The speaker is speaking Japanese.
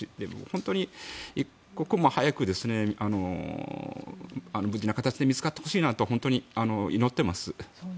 本当に一刻も早く無事な形で見つかってほしいなと本当に祈っています。